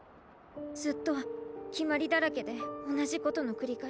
ずっときまりだらけでおなじことのくりかえし。